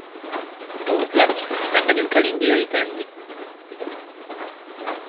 Jó ötlet, nem megyünk el indiait enni?